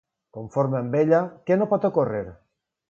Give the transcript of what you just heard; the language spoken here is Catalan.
Conforme amb ella, què no pot ocórrer?